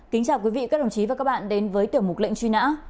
kính chào quý vị các đồng chí và các bạn đến với tiểu mục lệnh truy nã